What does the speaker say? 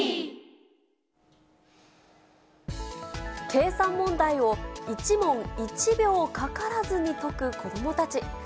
計算問題を、１問１秒かからずに解く子どもたち。